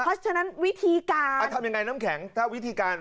เพราะฉะนั้นวิธีการทำยังไงน้ำแข็งถ้าวิธีการ